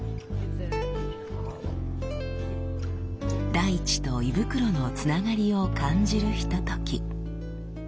大地と胃袋のつながりを感じるひととき。